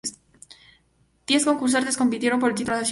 Diez concursantes compitieron por el título nacional.